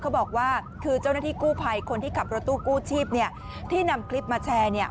บอกว่าคือเจ้าหน้าที่กู้ภัยคนที่ขับรถตู้กู้ชีพเนี่ยที่นำคลิปมาแชร์เนี่ย